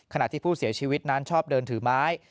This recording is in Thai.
ขณะที่ผู้เสียชีวิตนั้นชอบเดินถือไม้